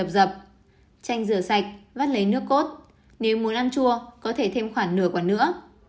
rửa sạch vắt lấy nước cốt nếu muốn ăn chua có thể thêm khoảng nửa quả nữa